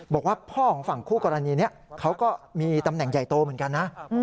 บอกว่าพ่อของฝั่งคู่กรณีนี้เขาก็มีตำแหน่งใหญ่โตเหมือนกันนะ